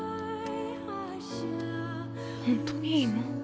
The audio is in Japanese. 本当にいいの？